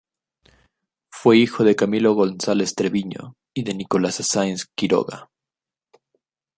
Fue hijo de Camilo González Treviño y de Nicolasa Sáenz Quiroga.